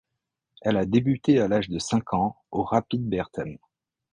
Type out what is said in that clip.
Elle a débuté à l'âge de cinq ans au Rapide Bertem.